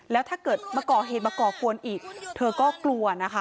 แล้วถ้าเกิดมาก่อเหตุมาก่อกวนอีกเธอก็กลัวนะคะ